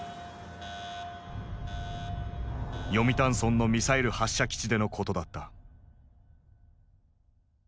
読谷村のミサイル発射基地でのことだった。